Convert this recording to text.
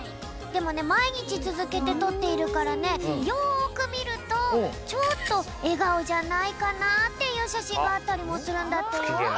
でもねまいにちつづけてとっているからねよく見るとちょっとえがおじゃないかなっていう写真があったりもするんだってよ。